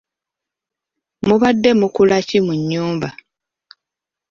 Mubadde mukula ki mu nnyumba?